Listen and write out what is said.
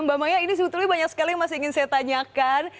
mbak maya ini sebetulnya banyak sekali yang masih ingin saya tanyakan